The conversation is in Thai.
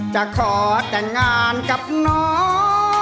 จะขอแต่งงานกับน้อง